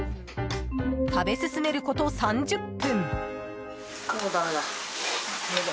食べ進めること３０分。